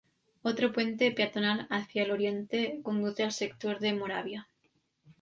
Otro puente peatonal hacia el oriente conduce al sector de Moravia.